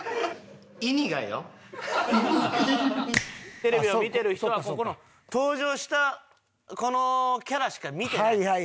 テレビを見てる人はここの登場したこのキャラしか見てない。